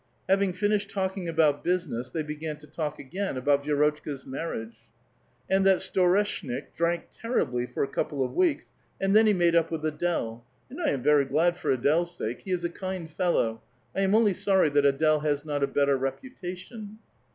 Having finished talking about business, they began to talk again about Vierotchka's marriage. *' And that Sloreshnik drank terribly for a couple of weeks, and then he made up with Ad^le. And I am very glad for Ad^le's sake. He is a kind fellow. I am only sorry that Ad(>le has not a better re|)utation."